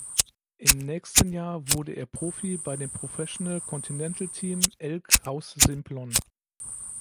Im nächsten Jahr wurde er Profi bei dem Professional Continental Team Elk Haus-Simplon.